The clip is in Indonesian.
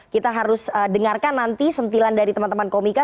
kita harus dengarkan nanti sentilan dari teman teman komika